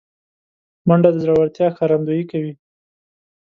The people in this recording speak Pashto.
منډه د زړورتیا ښکارندویي کوي